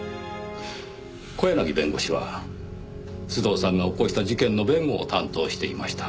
小柳弁護士は須藤さんが起こした事件の弁護を担当していました。